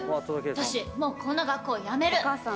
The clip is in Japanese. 私もうこんな学校辞める」